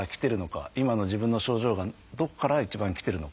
今の自分の症状がどこから一番きてるのか。